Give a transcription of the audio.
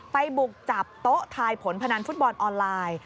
บุกจับโต๊ะทายผลพนันฟุตบอลออนไลน์